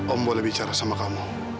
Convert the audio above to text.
om boleh bicara sama kamu